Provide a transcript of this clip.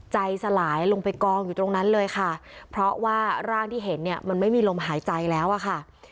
ใจสลายลงไปกองอยู่ตรงนั้นเลยค่ะเพราะว่าร่างที่เห็นเนี่ยมันไม่มีลมหายใจแล้วอะค่ะ